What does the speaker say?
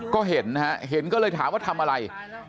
ก็เห็นนะฮะเห็นก็เลยถามว่าทำอะไร